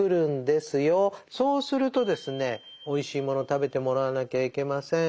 そうするとですねおいしいもの食べてもらわなきゃいけません。